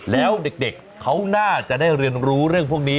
แล้วเด็กเขาน่าจะได้เรียนรู้เรื่องพวกนี้